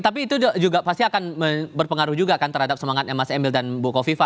tapi itu juga pasti akan berpengaruh juga kan terhadap semangat mas emil dan bu kofifa